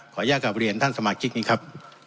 อนุญาตกลับเรียนท่านสมาชิกนี้ครับ